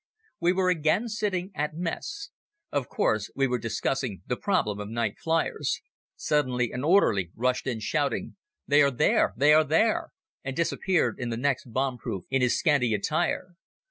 We were again sitting at mess. Of course we were discussing the problem of night fliers. Suddenly an orderly rushed in shouting: "They are there! They are there!" and disappeared in the next bomb proof in his scanty attire.